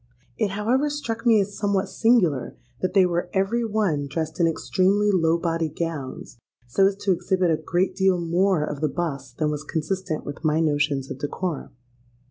It however struck me as somewhat singular that they were every one dressed in extremely low bodied gowns, so as to exhibit a great deal more of the bust than was consistent with my notions of decorum.